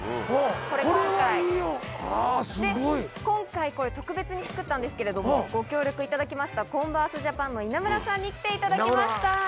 今回これ特別に作ったんですけれどもご協力いただきましたコンバースジャパンの稲村さんに来ていただきました